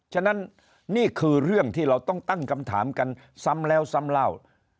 ฉะนั้นนี่คือเรื่องที่เราต้องตั้งคำถามกันซ้ำแล้วซ้ำเล่า